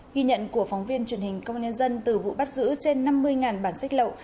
ghi nhận của phóng viên truyền hình công an nhân dân từ vụ bắt giữ trên năm mươi bản sách lậu